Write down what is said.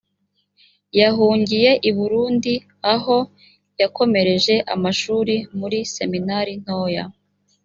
yahungiye i burundi aho yakomereje amashuri muri seminari ntoya